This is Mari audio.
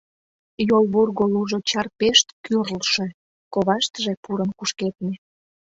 Йолвурго лужо чарпешт кӱрлшӧ, коваштыже пурын кушкедме.